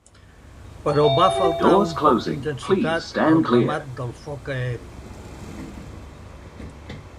Però va faltar un poc d’intensitat al remat del foc aeri.